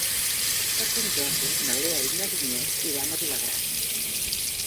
Per Sant Jordi na Lea i na Vinyet iran a Vilagrassa.